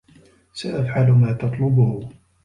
سأفعل ما تطلبه.